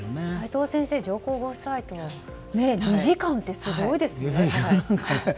齋藤さん、上皇ご夫妻と２時間ってすごいですよね。